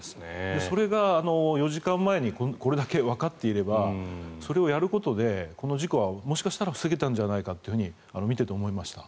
それが４時間前にこれだけわかっていればそれをやることでこの事故はもしかしたら防げたんじゃないかと見てて思いました。